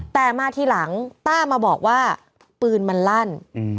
แต่มาทีหลังต้ามาบอกว่าปืนมันลั่น